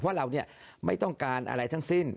เพราะเราไม่ต้องการอะไรทั้งสิ้น